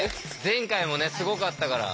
前回もすごかったから。